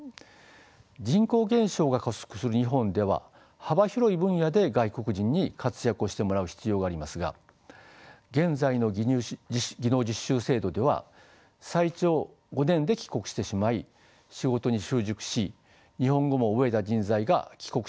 人口減少が加速する日本では幅広い分野で外国人に活躍をしてもらう必要がありますが現在の技能実習制度では最長５年で帰国してしまい仕事に習熟し日本語も覚えた人材が帰国してしまうということになります。